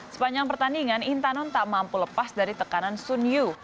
sepanjang pertandingan intanon tak mampu lepas dari tekanan sun yu